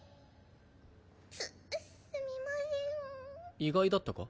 すすみません意外だったか？